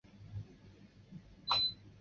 内外装潢统一采用装饰艺术风格。